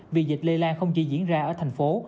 vì dịch lây lan không chỉ diễn ra ở thành phố